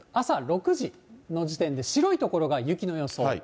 朝６時の時点で、白い所が雪の予想。